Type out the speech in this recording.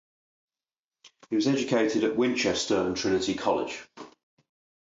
He was educated at Winchester and Trinity, Cambridge.